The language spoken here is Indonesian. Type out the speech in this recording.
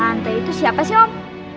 lantai itu siapa sih om